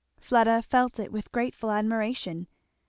Fleda felt it with grateful admiration.